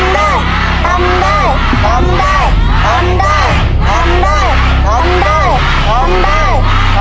เวลามีทุกคนครับ